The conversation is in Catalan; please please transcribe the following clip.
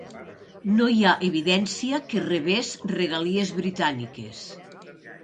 No hi ha evidència que rebés regalies britàniques.